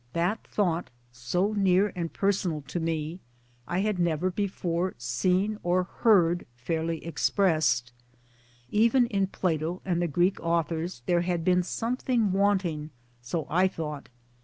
That thought, so near and per sonal to me, I had never before seen or heard fairly expressed ; even in Plato and the Greek authors there had been something wanting (so I thought).